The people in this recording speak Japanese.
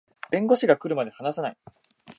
弁護士が来るまで話さない